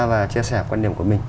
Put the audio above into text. và chia sẻ quan điểm của mình